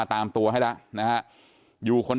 เดี๋ยวให้กลางกินขนม